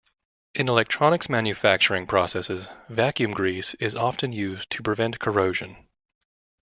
In electronics manufacturing processes, vacuum grease is often used to prevent corrosion.